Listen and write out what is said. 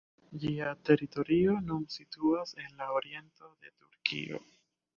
Ĝia teritorio nun situas en la oriento de Turkio.